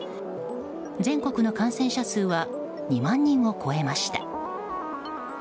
全国の感染者数は２万人を超えました。